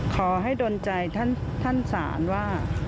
ขอให้ดนใจท่านศาลว่า